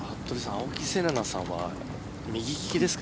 青木瀬令奈さんは右利きですか？